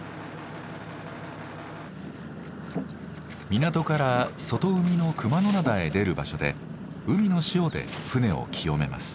港から外海の熊野灘へ出る場所で海の潮で船を清めます。